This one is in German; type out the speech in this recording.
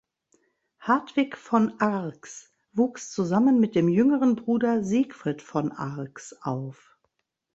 Hadwig von Arx wuchs zusammen mit dem jüngeren Bruder Siegfried von Arx auf.